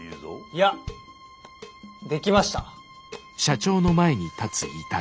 いやできました。